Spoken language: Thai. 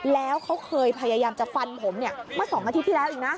แล้วเขาเคยพยายามจะฟันผมเมื่อ๒อาทิตย์ที่แล้วอีกนะ